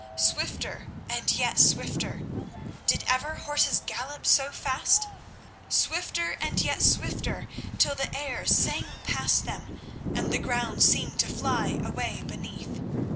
Swifter and yet swifter. Did ever horses gallop so fast? Swifter and yet swifter, till the air sang past them and the ground seemed to fly away beneath.